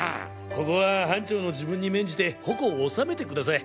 ここは班長の自分に免じて鉾を収めてください！